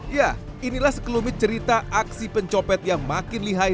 ya inilah sekelumit cerita aksi pencopet yang makin lihai